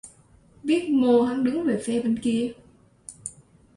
Biết mô hắn đứng về phe bên kia